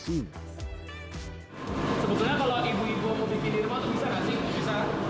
sebetulnya kalau ibu ibu mau bikin di rumah tuh bisa gak sih